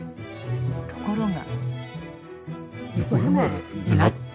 ところが。